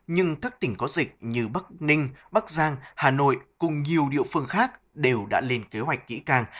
nhưng các tỉnh có dịch như bắc ninh bắc giang hà nội cùng nhiều địa phương khác đều đã lên kế hoạch kỹ càng